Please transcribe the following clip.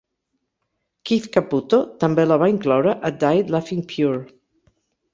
Keith Caputo també la va incloure a "Died Laughing Pure".